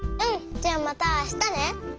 じゃあまたあしたね！